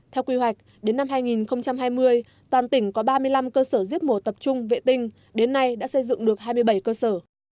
theo quy hoạch đến năm hai nghìn hai mươi toàn tỉnh có ba mươi năm cơ sở giết mổ tập trung vệ tinh đến nay đã xây dựng được hai mươi bảy cơ sở